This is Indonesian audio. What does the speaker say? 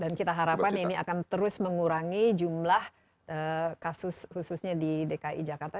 dan kita harapkan ini akan terus mengurangi jumlah kasus khususnya di dki jakarta